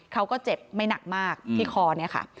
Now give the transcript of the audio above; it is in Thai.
เขาก็เจ็บไม่หนักมากที่คอเนี่ยค่ะ